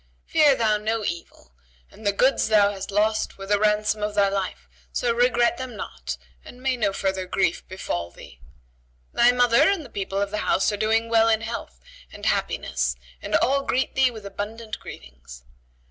Fear thou no evil, and the goods thou hast lost were the ransom of thy life; so regret them not and may no further grief befall thee. Thy mother and the people of the house are doing well in health and happiness and all greet thee with abundant greetings.